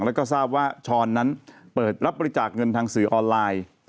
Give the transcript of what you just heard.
แล้วก็ทราบว่าช้อนนั้นเปิดรับบริจาคเงินทางสื่อออนไลน์